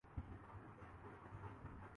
جس نے ملکی قیادت پر کئی بار شب خون مارا ہو